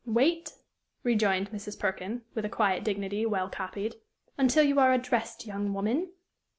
"Wait," rejoined Mrs. Perkin, with a quiet dignity, well copied, "until you are addressed, young woman."